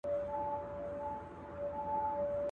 پېټ نسته، شرم غره ته ختلی دئ.